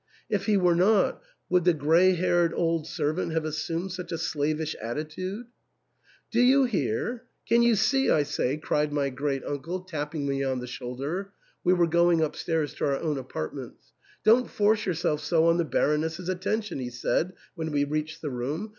If he were not, would the grey haired old servant have assumed such a slav ish attitude ?" Do you hear ? Can you see, I say ?" cried my great uncle, tapping me on the shoulder; — we were going upstairs to our own apartments. " Don't force yourself so on the Baroness's attention," he said when we reached the room.